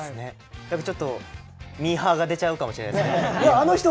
だからちょっと、ミーハーが出ちゃうかもしれないですね。